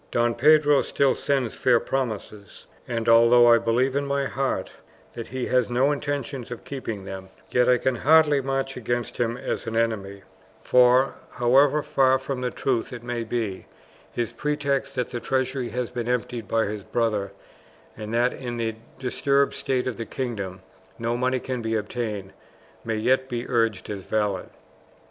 Don Pedro still sends fair promises, and although I believe in my heart that he has no intention of keeping them, yet I can hardly march against him as an enemy, for, however far from the truth it may be, his pretext that the treasury has been emptied by his brother, and that in the disturbed state of the kingdom no money can be obtained, may yet be urged as valid."